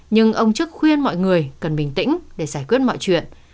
nhưng ông trức khuyên mọi người cần bình tĩnh để giải quyết mọi chuyện